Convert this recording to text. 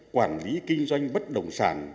quản lý kinh doanh bất động sản